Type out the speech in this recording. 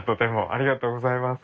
ありがとうございます。